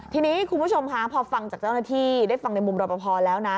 ทีนี้คุณผู้ชมค่ะพอฟังจากเจ้าหน้าที่ได้ฟังในมุมรอปภแล้วนะ